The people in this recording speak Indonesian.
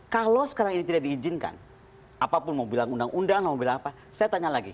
kalau sekarang ini tidak diizinkan apapun mau bilang undang undang mau bilang apa saya tanya lagi